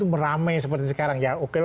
meramai seperti sekarang